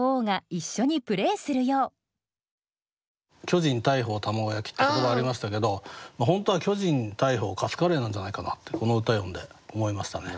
「巨人大鵬卵焼き」って言葉ありましたけど本当は「巨人大鵬カツカレー」なんじゃないかなってこの歌読んで思いましたね。